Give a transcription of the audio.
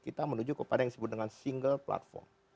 kita menuju kepada yang disebut dengan single platform